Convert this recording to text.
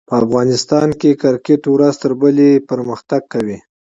په افغانستان کښي کرکټ ورځ تر بلي پرمختګ کوي.